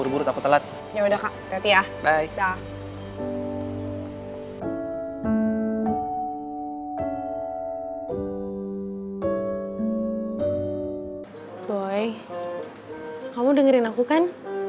boy kamu dengerin aku kan